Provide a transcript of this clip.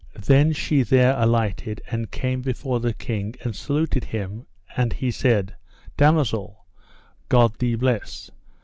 Then she there alighted, and came before the king and saluted him; and he said: Damosel, God thee bless.